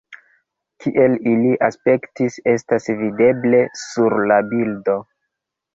Kiel ili aspektis, estas videble sur la bildo.